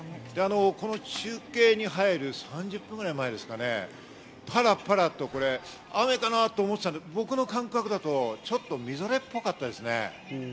中継に入る３０分ぐらい前ですか、パラパラと雨かな？と思ってたんですけど、僕の感覚だと、ちょっと、みぞれっぽかったですね。